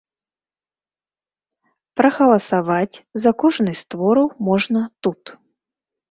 Прагаласаваць за кожны з твораў можна тут.